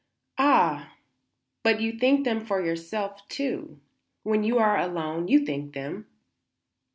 "Ah, but you think them for yourself, too; when you are alone you think them."